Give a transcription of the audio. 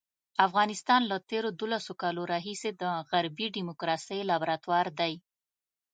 افغانستان له تېرو دولسو کالو راهیسې د غربي ډیموکراسۍ لابراتوار دی.